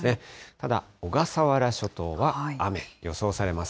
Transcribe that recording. ただ、小笠原諸島は雨、予想されます。